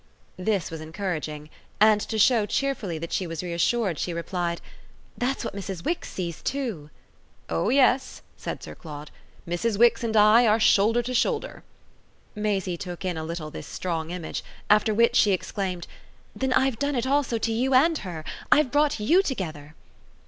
This was encouraging; and to show cheerfully that she was reassured she replied: "That's what Mrs. Wix sees too." "Oh yes," said Sir Claude; "Mrs. Wix and I are shoulder to shoulder." Maisie took in a little this strong image; after which she exclaimed: "Then I've done it also to you and her I've brought YOU together!"